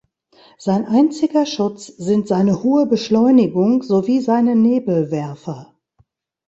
Sein einziger Schutz sind seine hohe Beschleunigung sowie seine Nebelwerfer.